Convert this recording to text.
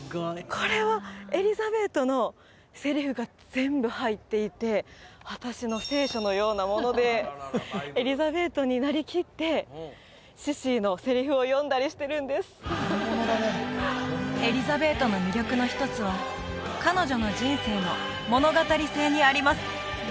これは「エリザベート」のセリフが全部入っていて私の聖書のようなものでエリザベートになりきってシシィのセリフを読んだりしてるんですエリザベートの魅力の一つは彼女の人生の物語性にあります